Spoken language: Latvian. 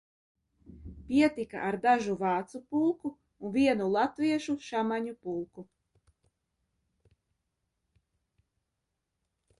Pietika ar dažu vācu pulku un vienu latviešu šucmaņu pulku.